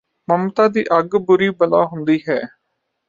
ਮਮਤਾ ਦੀ ਅੱਗ ਬੁਰੀ ਬਲਾ ਹੁੰਦੀ ਹੈ